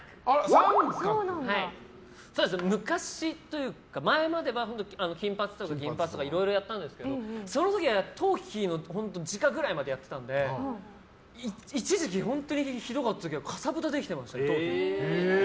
昔というか前までは金髪とか銀髪とかいろいろやったんですけどその時は頭皮ぐらいまでやってたので一時期、本当にひどい時はかさぶたできてました。